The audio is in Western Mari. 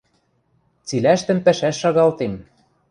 Цилӓштӹм пӓшӓш шагалтем.